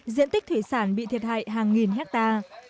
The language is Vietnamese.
diện tích thủy sản bị thiệt hại hàng nghìn hectare